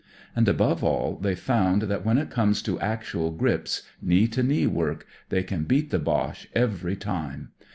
And, above all, they've found that when it comes to actual grips, knee to knee work, they can beat the Boche every time.